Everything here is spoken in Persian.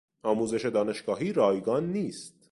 آموزش دانشگاهی رایگان نیست.